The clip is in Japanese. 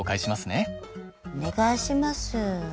お願いします。